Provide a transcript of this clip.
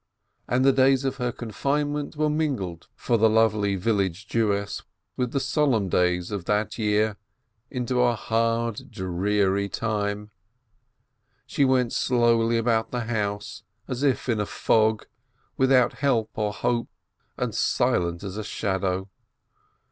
And the days of her confinement were mingled for the lonely 546 BEEKOWITZ village Jewess with the Solemn Days of that year into a hard and dreary time. She went slowly about the house, as in a fog, without help or hope, and silent as a shadow.